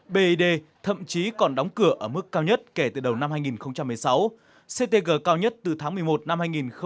bid thậm chí còn đóng cửa ở mức cao nhất kể từ đầu năm hai nghìn một mươi sáu ctg cao nhất từ tháng một mươi một năm hai nghìn một mươi bảy